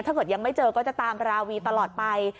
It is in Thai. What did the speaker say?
ถ้าเกิดยังไม่เจอก็จะตามราวีตลอดไป